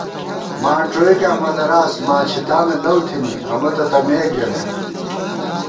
مانڄوئیکاں مہ دَراس ماچِھتانہ لَؤتھنی امہ تہ تمېک ژَمېت